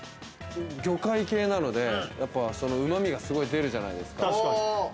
魚介系なので旨味がすごい出るじゃないですか。